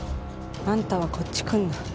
あんたはこっち来んな